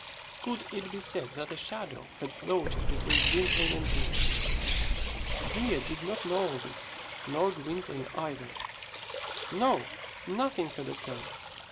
Could it be said that a shadow had floated between Gwynplaine and Dea? Dea did not know of it, nor Gwynplaine either. No; nothing had occurred.